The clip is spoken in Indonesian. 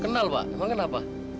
kenal pak emang kenapa